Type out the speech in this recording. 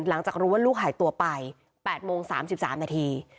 หลังจากรู้ว่าลูกหายตัวไป๘โมง๓๓นาที